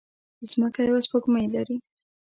ځمکه يوه سپوږمۍ لري